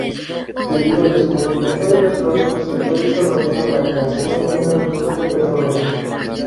Debido al descubrimiento de petróleo, se fue desarrollando la creación de una industria petrolera.